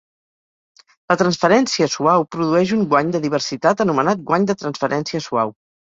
La transferència suau produeix un guany de diversitat anomenat guany de transferència suau.